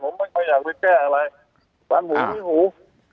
ผมไม่เคยอยากไปแก้อะไรล้างหูมีหู